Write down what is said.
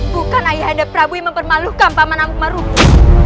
bukan ayah anda prabu yang mempermalukan paman amuk marugul